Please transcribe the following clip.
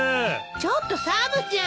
ちょっとサブちゃん。